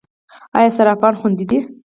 آیا صرافان خوندي دي؟